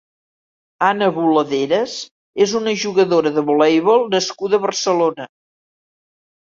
Ana Boladeras és una jugadora de voleibol nascuda a Barcelona.